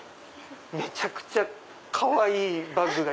めちゃくちゃかわいいバッグが。